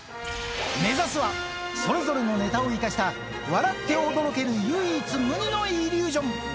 目指すは、それぞれのネタを生かした笑って驚ける唯一無二のイリュージョン。